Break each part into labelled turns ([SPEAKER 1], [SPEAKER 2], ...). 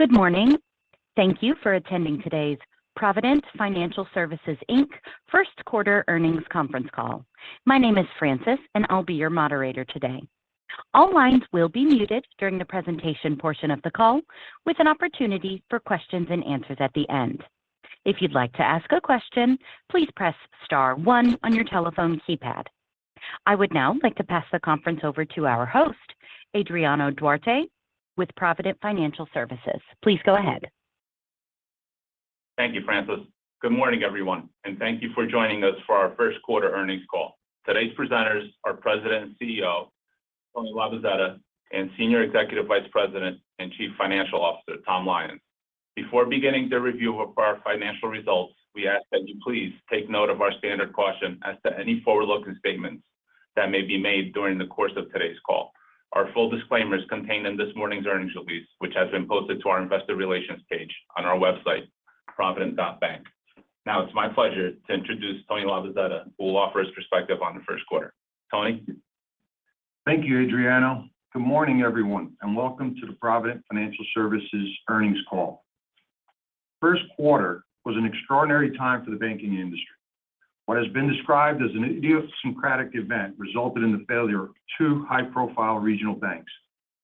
[SPEAKER 1] Good morning. Thank you for attending today's Provident Financial Services, Inc. First Quarter Earnings Conference Call. My name is Francis, and I'll be your moderator today. All lines will be muted during the presentation portion of the call, with an opportunity for questions and answers at the end. If you'd like to ask a question, please press star one on your telephone keypad. I would now like to pass the conference over to our host, Adriano Duarte with Provident Financial Services. Please go ahead.
[SPEAKER 2] Thank you, Francis. Good morning, everyone, and thank you for joining us for our first quarter earnings call. Today's presenters are President and CEO, Tony Labozzetta, and Senior Executive Vice President and Chief Financial Officer, Tom Lyons. Before beginning the review of our financial results, we ask that you please take note of our standard caution as to any forward-looking statements that may be made during the course of today's call. Our full disclaimer is contained in this morning's earnings release, which has been posted to our investor relations page on our website, provident.bank. It's my pleasure to introduce Tony Labozzetta, who will offer his perspective on the first quarter. Tony.
[SPEAKER 3] Thank you, Adriano. Good morning, everyone, and welcome to the Provident Financial Services earnings call. First quarter was an extraordinary time for the banking industry. What has been described as an idiosyncratic event resulted in the failure of two high-profile regional banks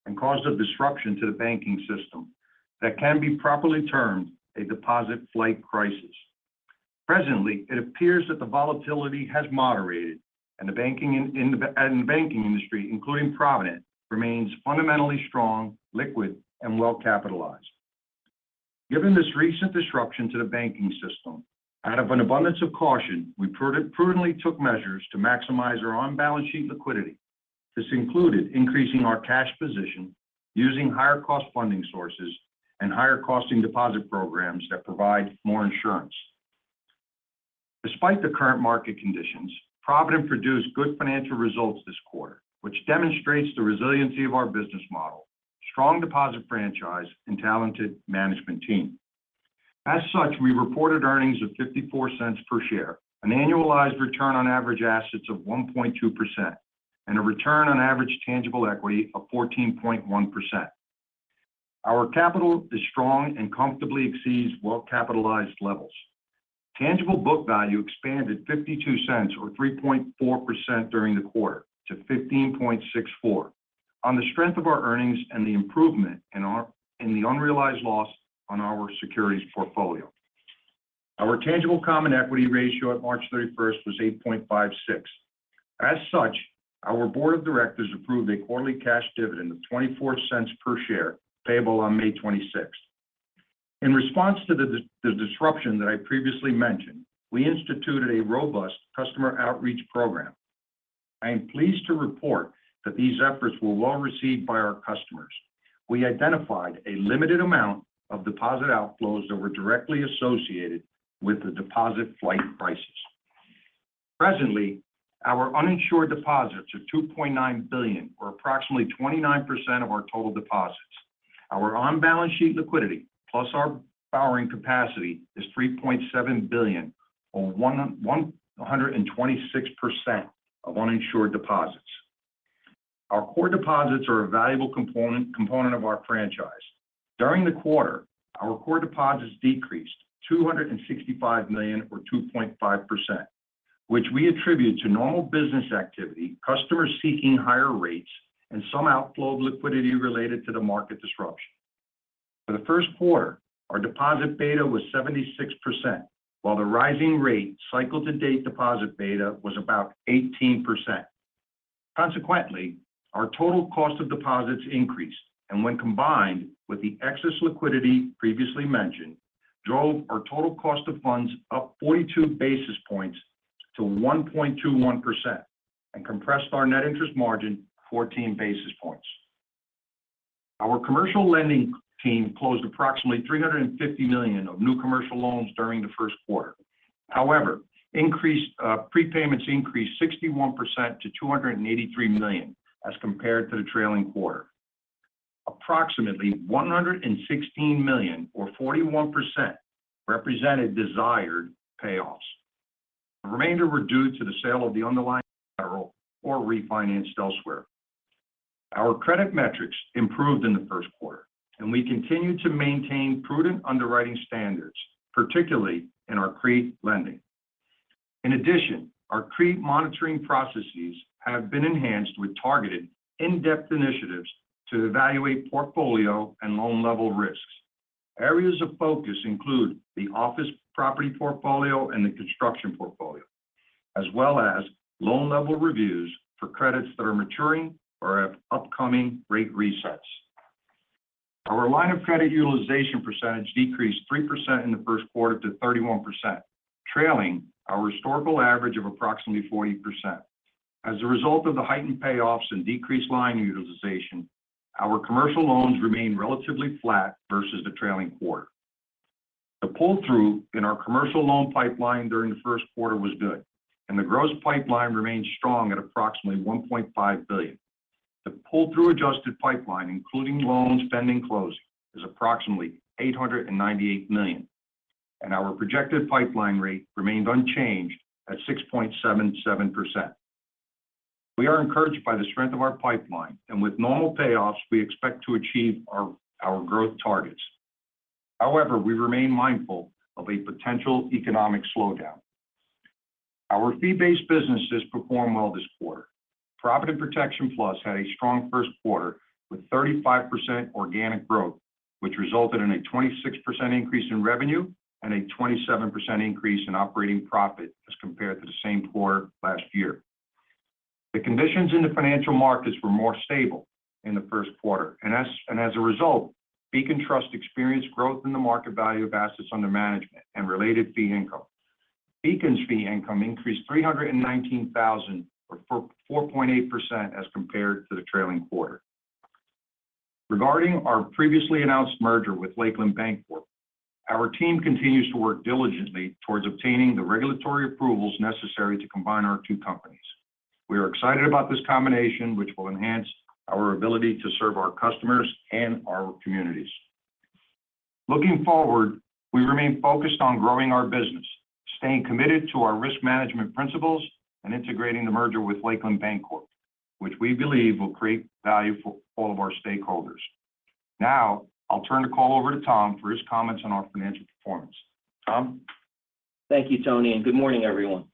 [SPEAKER 3] and caused a disruption to the banking system that can be properly termed a deposit flight crisis. Presently, it appears that the volatility has moderated and the banking industry, including Provident, remains fundamentally strong, liquid, and well-capitalized. Given this recent disruption to the banking system, out of an abundance of caution, we prudently took measures to maximize our on-balance sheet liquidity. This included increasing our cash position using higher cost funding sources and higher costing deposit programs that provide more insurance. Despite the current market conditions, Provident produced good financial results this quarter, which demonstrates the resiliency of our business model, strong deposit franchise and talented management team. We reported earnings of $0.54 per share, an annualized return on average assets of 1.2%, and a return on average tangible equity of 14.1%. Our capital is strong and comfortably exceeds well-capitalized levels. Tangible book value expanded $0.52 or 3.4% during the quarter to $15.64 on the strength of our earnings and the improvement in the unrealized loss on our securities portfolio. Our tangible common equity ratio at March 31st was 8.56%. Our board of directors approved a quarterly cash dividend of $0.24 per share, payable on May 26th. In response to the disruption that I previously mentioned, we instituted a robust customer outreach program. I am pleased to report that these efforts were well received by our customers. We identified a limited amount of deposit outflows that were directly associated with the deposit flight crisis. Presently, our uninsured deposits are $2.9 billion or approximately 29% of our total deposits. Our on-balance sheet liquidity plus our borrowing capacity is $3.7 billion, or 126% of uninsured deposits. Our core deposits are a valuable component of our franchise. During the quarter, our core deposits decreased $265 million or 2.5%, which we attribute to normal business activity, customers seeking higher rates and some outflow of liquidity related to the market disruption. For the first quarter, our deposit beta was 76%, while the rising rate cycle-to-date deposit beta was about 18%. Consequently, our total cost of deposits increased, and when combined with the excess liquidity previously mentioned, drove our total cost of funds up 42 basis points to 1.21% and compressed our net interest margin 14 basis points. Our commercial lending team closed approximately $350 million of new commercial loans during the first quarter. However, increased prepayments increased 61% to $283 million as compared to the trailing quarter. Approximately $116 million or 41% represented desired payoffs. The remainder were due to the sale of the underlying collateral or refinanced elsewhere. Our credit metrics improved in the first quarter, and we continue to maintain prudent underwriting standards, particularly in our CRE lending. In addition, our CRE monitoring processes have been enhanced with targeted in-depth initiatives to evaluate portfolio and loan level risks. Areas of focus include the office property portfolio and the construction portfolio, as well as loan-level reviews for credits that are maturing or have upcoming rate resets. Our line of credit utilization percentage decreased 3% in the first quarter to 31%, trailing our historical average of approximately 40%. As a result of the heightened payoffs and decreased line utilization, our commercial loans remain relatively flat versus the trailing quarter. The pull-through in our commercial loan pipeline during the first quarter was good, and the gross pipeline remains strong at approximately $1.5 billion. The pull-through adjusted pipeline, including loans pending closing, is approximately $898 million, and our projected pipeline rate remained unchanged at 6.77%. We are encouraged by the strength of our pipeline and with normal payoffs, we expect to achieve our growth targets. However, we remain mindful of a potential economic slowdown. Our fee-based businesses performed well this quarter. Provident Protection Plus had a strong first quarter with 35% organic growth, which resulted in a 26% increase in revenue and a 27% increase in operating profit as compared to the same quarter last year. The conditions in the financial markets were more stable in the first quarter and as a result, Beacon Trust experienced growth in the market value of assets under management and related fee income. Beacon's fee income increased $319,000, or 4.8% as compared to the trailing quarter. Regarding our previously announced merger with Lakeland Bancorp, our team continues to work diligently towards obtaining the regulatory approvals necessary to combine our two companies. We are excited about this combination, which will enhance our ability to serve our customers and our communities. Looking forward, we remain focused on growing our business, staying committed to our risk management principles, and integrating the merger with Lakeland Bancorp, which we believe will create value for all of our stakeholders. I'll turn the call over to Tom for his comments on our financial performance. Tom?
[SPEAKER 4] Thank you, Tony. Good morning, everyone.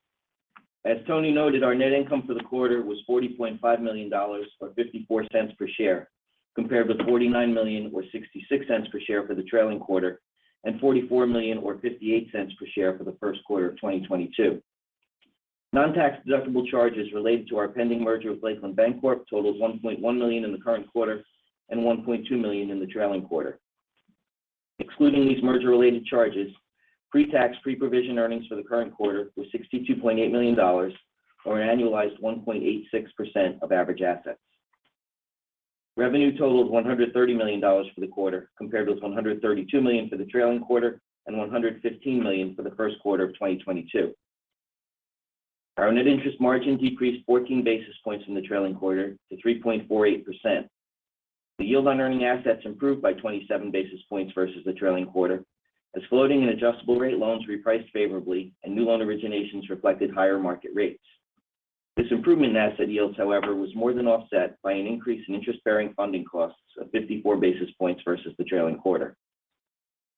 [SPEAKER 4] As Tony noted, our net income for the quarter was $40.5 million, or $0.54 per share, compared with $49 million or $0.66 per share for the trailing quarter and $44 million or $0.58 per share for the first quarter of 2022. Non-tax deductible charges related to our pending merger with Lakeland Bancorp totals $1.1 million in the current quarter and $1.2 million in the trailing quarter. Excluding these merger-related charges, pre-tax, pre-provision earnings for the current quarter was $62.8 million or an annualized 1.86% of average assets. Revenue totaled $130 million for the quarter, compared with $132 million for the trailing quarter and $115 million for the first quarter of 2022. Our net interest margin decreased 14 basis points in the trailing quarter to 3.48%. The yield on earning assets improved by 27 basis points versus the trailing quarter as floating and adjustable rate loans repriced favorably and new loan originations reflected higher market rates. This improvement in asset yields, however, was more than offset by an increase in interest-bearing funding costs of 54 basis points versus the trailing quarter.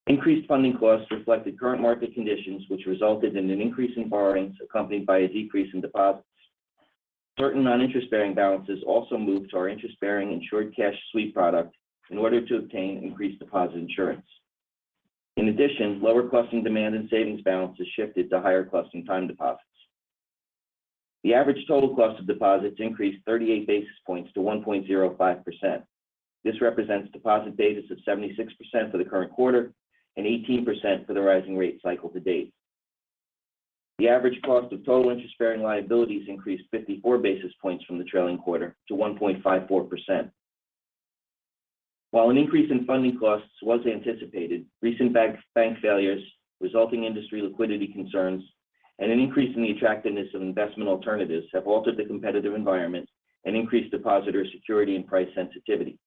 [SPEAKER 4] Increased funding costs reflected current market conditions, which resulted in an increase in borrowings accompanied by a decrease in deposits. Certain non-interest-bearing balances also moved to our interest-bearing Insured Cash Sweep product in order to obtain increased deposit insurance. In addition, lower-costing demand and savings balances shifted to higher-costing time deposits. The average total cost of deposits increased 38 basis points to 1.05%. This represents deposit betas of 76% for the current quarter and 18% for the rising rate cycle to date. The average cost of total interest-bearing liabilities increased 54 basis points from the trailing quarter to 1.54%. While an increase in funding costs was anticipated, recent bank failures, resulting industry liquidity concerns, and an increase in the attractiveness of investment alternatives have altered the competitive environment and increased depositor security and price sensitivity.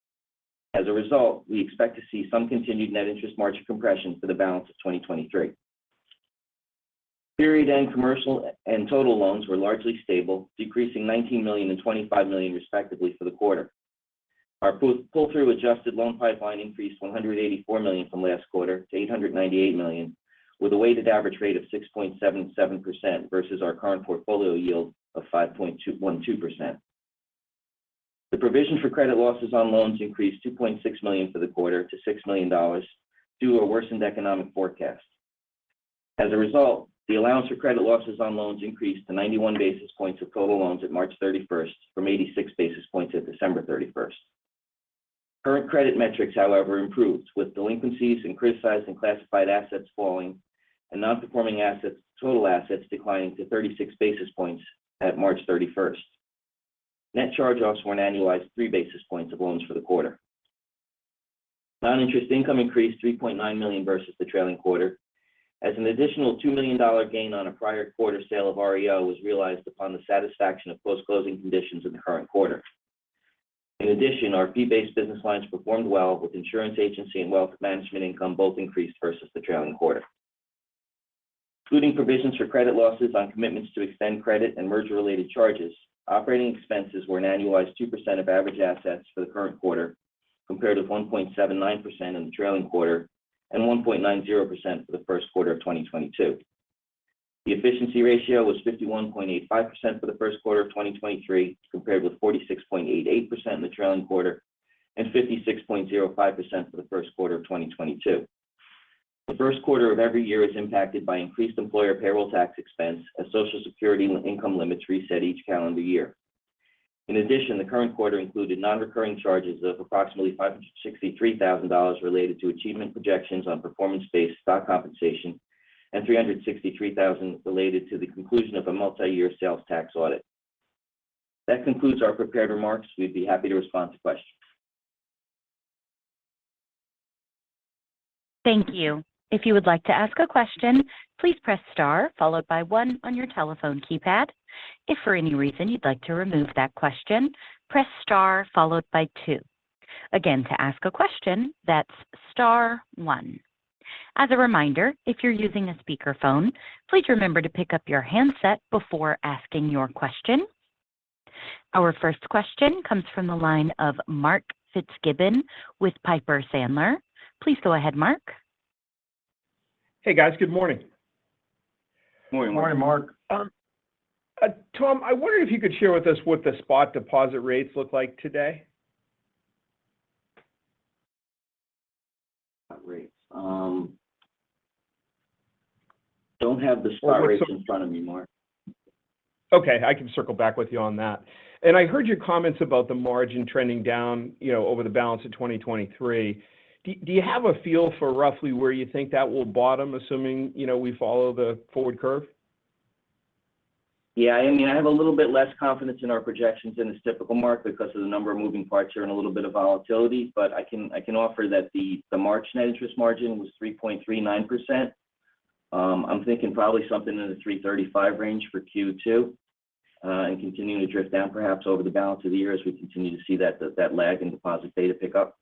[SPEAKER 4] As a result, we expect to see some continued net interest margin compression for the balance of 2023. Period end commercial and total loans were largely stable, decreasing $19 million and $25 million respectively for the quarter. Our pull-through adjusted loan pipeline increased $184 million from last quarter to $898 million with a weighted average rate of 6.77% versus our current portfolio yield of 5.212%. The provision for credit losses on loans increased $2.6 million for the quarter to $6 million due to a worsened economic forecast. As a result, the allowance for credit losses on loans increased to 91 basis points of total loans at March 31st from 86 basis points at December 31st. Current credit metrics, however, improved, with delinquencies in criticized and classified assets falling and non-performing assets, total assets declining to 36 basis points at March 31st. Net charge-offs were an annualized 3 basis points of loans for the quarter. Non-interest income increased $3.9 million versus the trailing quarter as an additional $2 million gain on a prior quarter sale of REO was realized upon the satisfaction of post-closing conditions in the current quarter. Our fee-based business lines performed well with insurance agency and wealth management income both increased versus the trailing quarter. Including provisions for credit losses on commitments to extend credit and merger-related charges, operating expenses were an annualized 2% of average assets for the current quarter, compared with 1.79% in the trailing quarter and 1.90% for the first quarter of 2022. The efficiency ratio was 51.85% for the first quarter of 2023, compared with 46.88% in the trailing quarter and 56.05% for the first quarter of 2022. The first quarter of every year is impacted by increased employer payroll tax expense as Social Security income limits reset each calendar year. In addition, the current quarter included non-recurring charges of approximately $563,000 related to achievement projections on performance-based stock compensation and $363,000 related to the conclusion of a multi-year sales tax audit. That concludes our prepared remarks. We'd be happy to respond to questions.
[SPEAKER 1] Thank you. If you would like to ask a question, please press star followed by one on your telephone keypad. If for any reason you'd like to remove that question, press star followed by two. Again, to ask a question, that's star one. As a reminder, if you're using a speakerphone, please remember to pick up your handset before asking your question. Our first question comes from the line of Mark Fitzgibbon with Piper Sandler. Please go ahead, Mark.
[SPEAKER 5] Hey, guys. Good morning.
[SPEAKER 3] Morning, Mark.
[SPEAKER 5] Tom, I wonder if you could share with us what the spot deposit rates look like today?
[SPEAKER 4] Rates. Don't have the spot rates in front of me, Mark.
[SPEAKER 5] Okay. I can circle back with you on that. I heard your comments about the margin trending down, you know, over the balance of 2023. Do you have a feel for roughly where you think that will bottom assuming, you know, we follow the forward curve?
[SPEAKER 4] Yeah. I mean, I have a little bit less confidence in our projections than is typical, Mark, because of the number of moving parts here and a little bit of volatility. I can, I can offer that the March net interest margin was 3.39%. I'm thinking probably something in the 3.35% range for Q2, and continuing to drift down perhaps over the balance of the year as we continue to see that lag in deposit beta pick up.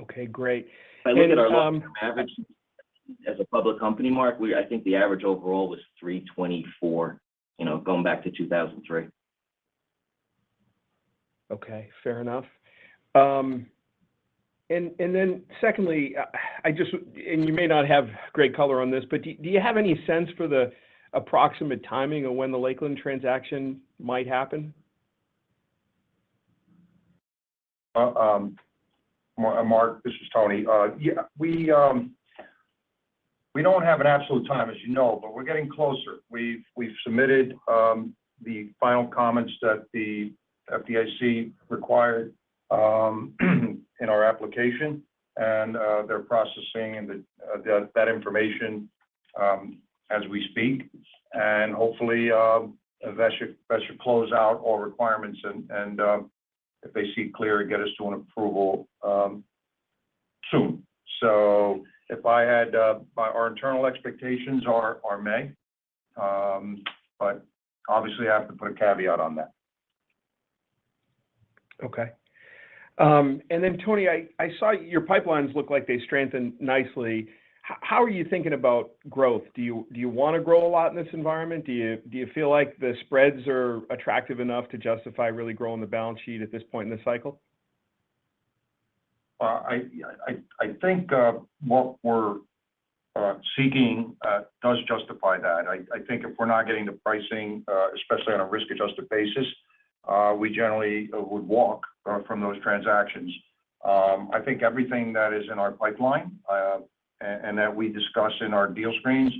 [SPEAKER 5] Okay, great. Tom.
[SPEAKER 4] If I look at our average as a public company, Mark, I think the average overall was 3.24%, you know, going back to 2003.
[SPEAKER 5] Okay. Fair enough. Secondly, I just, and you may not have great color on this, but do you have any sense for the approximate timing of when the Lakeland transaction might happen?
[SPEAKER 3] Mark, this is Tony. Yeah, we don't have an absolute time, as you know, but we're getting closer. We've submitted the final comments that the FDIC required in our application. They're processing that information as we speak. Hopefully, that should close out all requirements and, if they see clear, get us to an approval soon. If I had our internal expectations are May. Obviously, I have to put a caveat on that.
[SPEAKER 5] Okay. Tony, I saw your pipelines look like they strengthened nicely. How are you thinking about growth? Do you wanna grow a lot in this environment? Do you feel like the spreads are attractive enough to justify really growing the balance sheet at this point in the cycle?
[SPEAKER 3] I think what we're seeking does justify that. I think if we're not getting the pricing, especially on a risk-adjusted basis, we generally would walk from those transactions. I think everything that is in our pipeline and that we discuss in our deal screens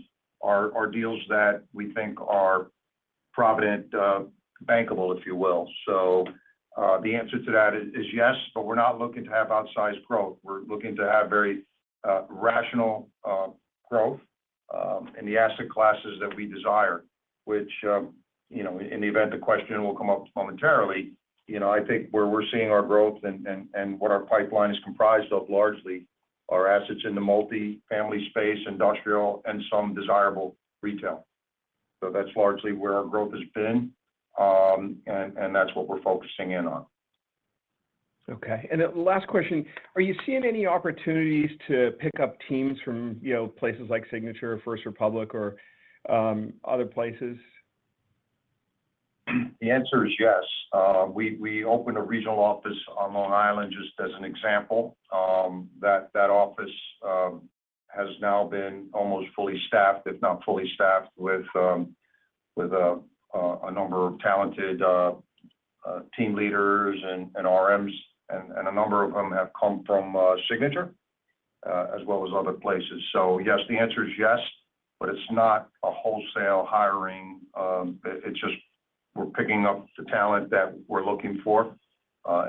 [SPEAKER 3] are deals that we think are Provident bankable, if you will. The answer to that is yes, but we're not looking to have outsized growth. We're looking to have very rational growth in the asset classes that we desire, which, you know, in the event the question will come up momentarily. You know, I think where we're seeing our growth and what our pipeline is comprised of largely are assets in the multifamily space, industrial and some desirable retail. That's largely where our growth has been, and that's what we're focusing in on.
[SPEAKER 5] Okay. Last question. Are you seeing any opportunities to pick up teams from, you know, places like Signature or First Republic or other places?
[SPEAKER 3] The answer is yes. We opened a regional office on Long Island, just as an example. That office has now been almost fully staffed, if not fully staffed with a number of talented team leaders and RMs. A number of them have come from Signature as well as other places. Yes, the answer is yes, but it's not a wholesale hiring. It's just we're picking up the talent that we're looking for.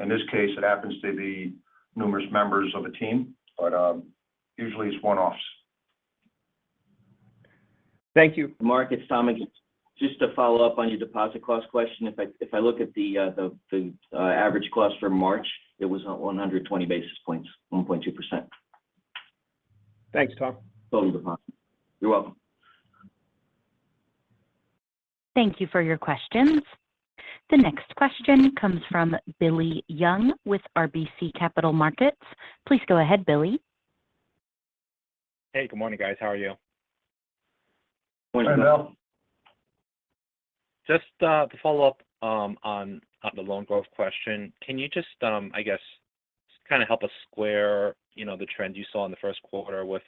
[SPEAKER 3] In this case, it happens to be numerous members of a team. Usually it's one-offs.
[SPEAKER 5] Thank you.
[SPEAKER 4] Mark, it's Tom again. Just to follow up on your deposit cost question. If I look at the average cost for March, it was 120 basis points, 1.2%.
[SPEAKER 5] Thanks, Tom.
[SPEAKER 4] You're welcome.
[SPEAKER 1] Thank you for your questions. The next question comes from Billy Young with RBC Capital Markets. Please go ahead, Billy.
[SPEAKER 6] Hey. Good morning, guys. How are you?
[SPEAKER 3] Morning, Billy.
[SPEAKER 5] Hi, Billy.
[SPEAKER 6] Just to follow up on the loan growth question. Can you just, I guess, just kind of help us square, you know, the trends you saw in the first quarter with,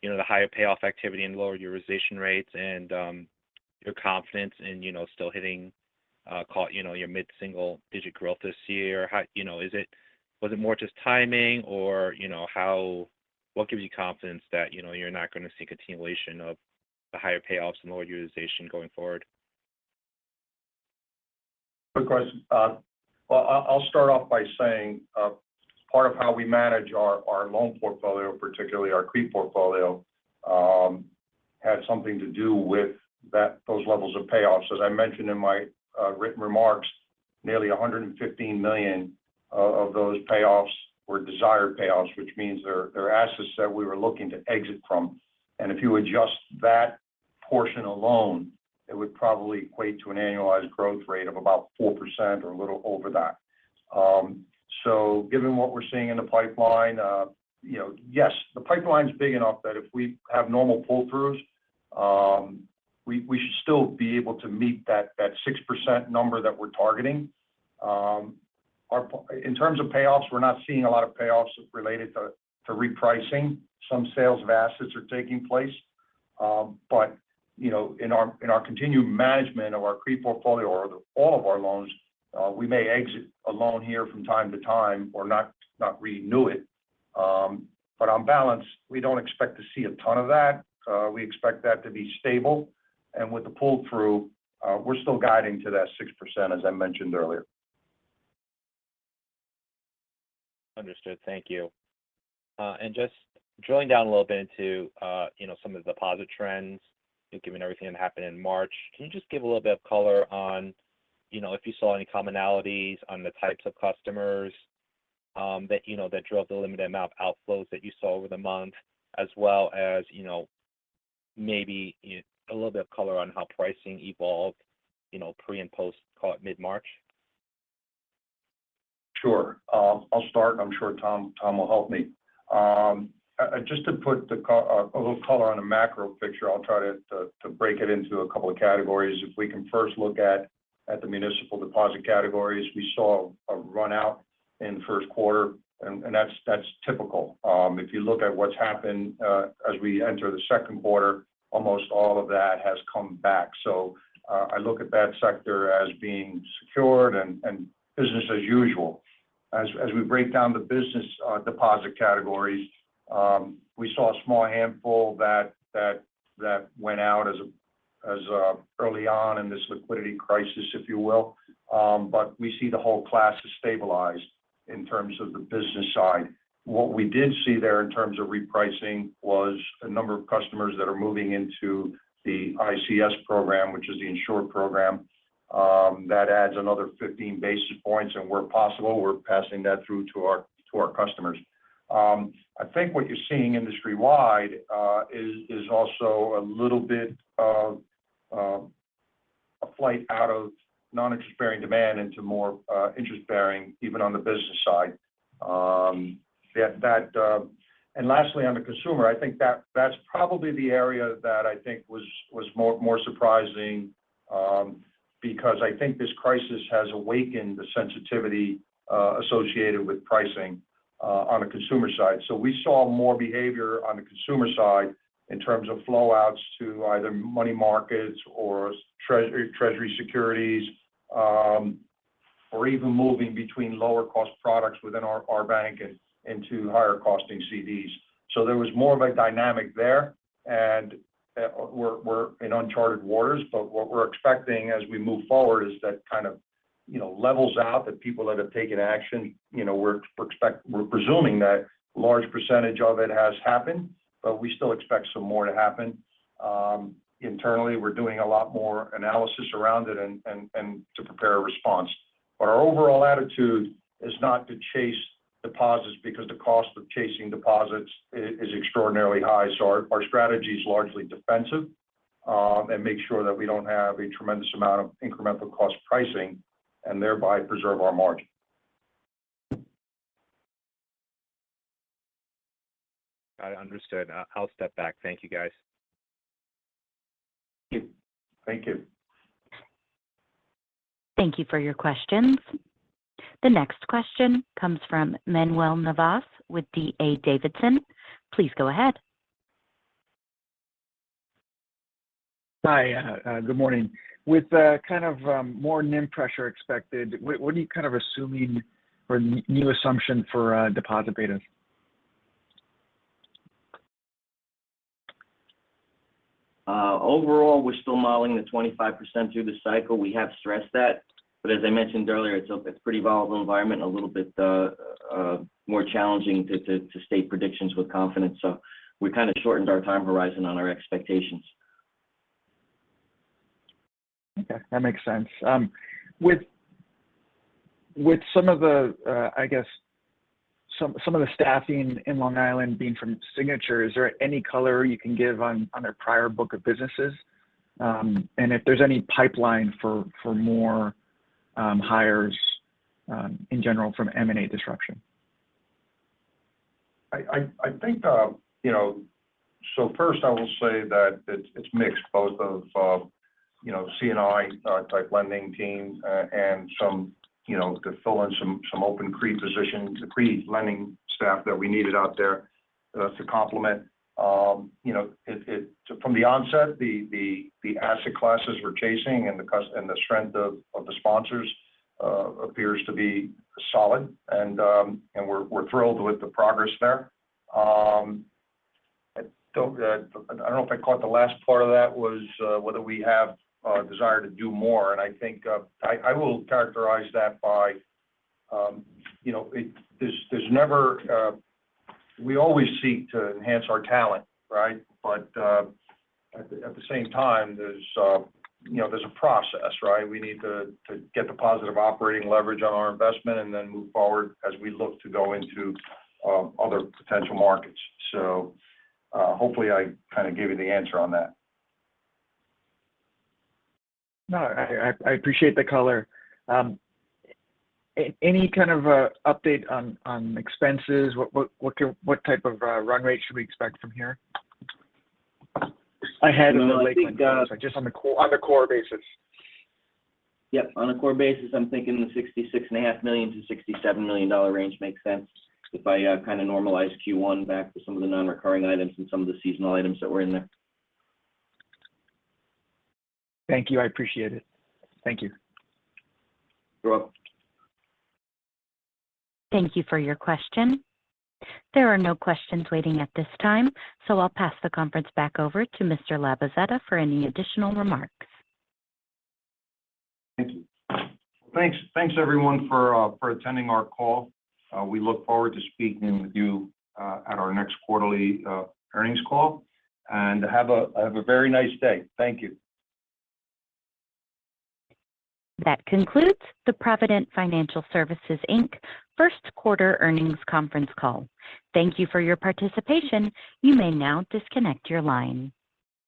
[SPEAKER 6] you know, the higher payoff activity and lower utilization rates and, you know, your confidence in, you know, still hitting, call, you know, your mid-single digit growth this year? You know, was it more just timing or, you know, what gives you confidence that, you know, you're not gonna see a continuation of the higher payoffs and lower utilization going forward?
[SPEAKER 3] Good question. Well, I'll start off by saying part of how we manage our loan portfolio, particularly our CRE portfolio, had something to do with those levels of payoffs. As I mentioned in my written remarks, nearly $115 million of those payoffs were desired payoffs, which means they're assets that we were looking to exit from. If you adjust that portion alone, it would probably equate to an annualized growth rate of about 4% or a little over that. Given what we're seeing in the pipeline, you know, yes, the pipeline's big enough that if we have normal pull-throughs, we should still be able to meet that 6% number that we're targeting. In terms of payoffs, we're not seeing a lot of payoffs related to repricing. Some sales of assets are taking place. But, you know, in our, in our continued management of our CRE portfolio or all of our loans, we may exit a loan here from time to time or not renew it. But on balance, we don't expect to see a ton of that. We expect that to be stable. With the pull-through, we're still guiding to that 6%, as I mentioned earlier.
[SPEAKER 6] Understood. Thank you. Just drilling down a little bit into, you know, some of the deposit trends, given everything that happened in March, can you just give a little bit of color on, you know, if you saw any commonalities on the types of customers that, you know, that drove the limited amount of outflows that you saw over the month, as well as, you know, maybe a little bit of color on how pricing evolved, you know, pre and post call it mid-March?
[SPEAKER 3] Sure. I'll start. I'm sure Tom will help me. just to put a little color on the macro picture, I'll try to break it into a couple of categories. If we can first look at the municipal deposit categories, we saw a run out in first quarter, and that's typical. If you look at what's happened, as we enter the second quarter, almost all of that has come back. I look at that sector as being secured and business as usual. As we break down the business deposit categories, we saw a small handful that went out as early on in this liquidity crisis, if you will. We see the whole class has stabilized in terms of the business side. What we did see there in terms of repricing was a number of customers that are moving into the ICS program, which is the insured program, that adds another 15 basis points. Where possible, we're passing that through to our, to our customers. I think what you're seeing industry-wide, is also a little bit of a flight out of non-interest-bearing demand into more interest-bearing even on the business side. That. Lastly, on the consumer, I think that's probably the area that I think was more surprising, because I think this crisis has awakened the sensitivity associated with pricing on the consumer side. We saw more behavior on the consumer side in terms of flow outs to either money markets or Treasury securities, or even moving between lower cost products within our bank and into higher costing CDs. There was more of a dynamic there. We're in uncharted waters. What we're expecting as we move forward is that kind of, you know, levels out that people that have taken action, you know, we're presuming that large % of it has happened, but we still expect some more to happen. Internally, we're doing a lot more analysis around it and to prepare a response. Our overall attitude is not to chase deposits because the cost of chasing deposits is extraordinarily high. Our strategy is largely defensive, and make sure that we don't have a tremendous amount of incremental cost pricing and thereby preserve our margin.
[SPEAKER 6] I understood. I'll step back. Thank you, guys.
[SPEAKER 3] Thank you.
[SPEAKER 1] Thank you for your questions. The next question comes from Manuel Navas with D.A. Davidson. Please go ahead.
[SPEAKER 7] Hi. Good morning. With kind of more NIM pressure expected, what are you kind of assuming or new assumption for deposit beta?
[SPEAKER 4] Overall, we're still modeling the 25% through the cycle. We have stressed that. As I mentioned earlier, it's a pretty volatile environment, a little bit more challenging to state predictions with confidence. We kind of shortened our time horizon on our expectations.
[SPEAKER 7] Okay. That makes sense. With some of the, I guess some of the staffing in Long Island being from Signature, is there any color you can give on their prior book of businesses? If there's any pipeline for more hires in general from M&A disruption?
[SPEAKER 3] I think, you know, first, I will say that it's mixed, both of, you know, C&I type lending teams, and some, you know, to fill in some open CRE positions, the CRE lending staff that we needed out there, to complement. You know, from the onset, the asset classes we're chasing and the strength of the sponsors appears to be solid. We're thrilled with the progress there. I don't know if I caught the last part of that was, whether we have a desire to do more. I think I will characterize that by, you know, there's never, we always seek to enhance our talent, right? At the same time, there's, you know, there's a process, right? We need to get the positive operating leverage on our investment and then move forward as we look to go into other potential markets. Hopefully I kind of gave you the answer on that.
[SPEAKER 7] No, I appreciate the color. Any kind of update on expenses? What type of run rate should we expect from here?
[SPEAKER 4] I had-
[SPEAKER 3] Just on the core, on the core basis.
[SPEAKER 4] Yep. On a core basis, I'm thinking the sixty-six and a half million to $67 million range makes sense if I kind of normalize Q1 back to some of the non-recurring items and some of the seasonal items that were in there.
[SPEAKER 7] Thank you. I appreciate it. Thank you.
[SPEAKER 3] You're welcome.
[SPEAKER 1] Thank you for your question. There are no questions waiting at this time, so I'll pass the conference back over to Mr. Labozzetta for any additional remarks.
[SPEAKER 3] Thank you. Thanks everyone for attending our call. We look forward to speaking with you at our next quarterly earnings call. Have a very nice day. Thank you.
[SPEAKER 1] That concludes the Provident Financial Services Inc. first quarter earnings conference call. Thank you for your participation. You may now disconnect your line.